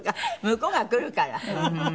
向こうが来るから。